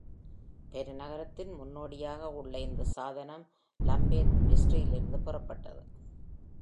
பெருநகரத்தின் முன்னோடியாக உள்ள இந்த சாதனம் லம்பேத் வெஸ்ட்ரியிலிருந்து பெறப்பட்டது.